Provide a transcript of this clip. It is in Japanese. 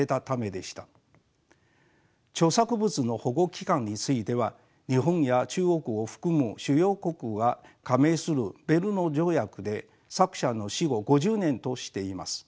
著作物の保護期間については日本や中国を含む主要国が加盟するベルヌ条約で作者の死後５０年としています。